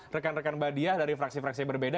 rekan rekan mbak diah dari fraksi fraksi berbeda